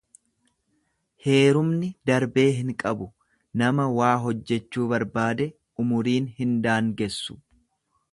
Heerumni darbee hin qabu nama waa hojjechuu barbaade umuriin hin daangessu.